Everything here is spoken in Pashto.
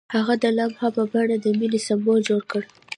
هغه د لمحه په بڼه د مینې سمبول جوړ کړ.